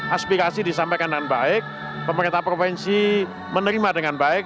aspirasi disampaikan dengan baik pemerintah provinsi menerima dengan baik